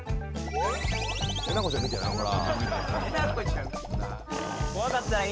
えなこちゃん見てない？